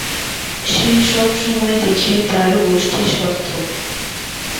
সে সব সময় দেখে তার গোষ্ঠীস্বর্থ।